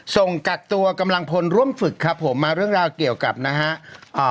ส่งกักตัวกำลังพลร่วมฝึกครับผมมาเรื่องราวเกี่ยวกับนะฮะอ่า